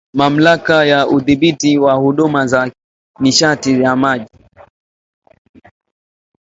Mamlaka ya Udhibiti wa Huduma za Nishati na Maji